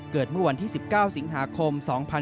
เกิดเมื่อวันที่๑๙สิงหาคม๒๔๗๕